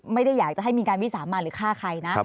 ไม่ได้อยากจะให้มีการวิสามันหรือฆ่าใครนะ